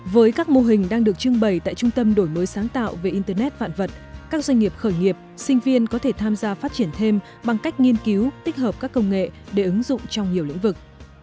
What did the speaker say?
với các mô hình đang được trưng bày tại trung tâm đổi mới sáng tạo về internet vạn vật các doanh nghiệp khởi nghiệp sinh viên có thể tham gia phát triển thêm bằng cách nghiên cứu tích hợp các công nghệ để ứng dụng trong nhiều lĩnh vực